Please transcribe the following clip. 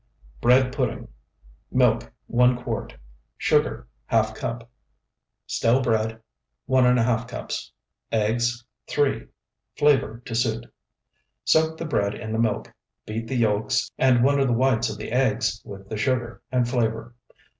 BREAD PUDDING Milk, 1 quart. Sugar, ½ cup. Stale bread, 1½ cups. Eggs, 3. Flavor to suit. Soak the bread in the milk; beat the yolks and one of the whites of the eggs with the sugar, and flavor.